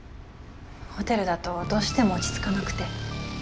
ホテルだとどうしても落ち着かなくて。